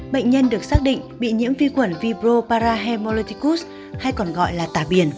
bệnh nhân được xác định bị nhiễm vi khuẩn vibroparahemolyticus hay còn gọi là tả biển